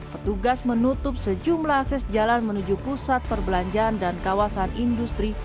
petugas menutup sejumlah akses jalan menuju pusat perbelanjaan dan kawasan industri